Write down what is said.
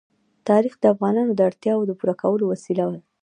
تاریخ د افغانانو د اړتیاوو د پوره کولو وسیله ده.